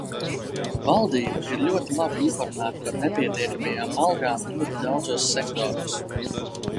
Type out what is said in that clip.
Valdība ir ļoti labi informēta par nepietiekamajām algām ļoti daudzos sektoros.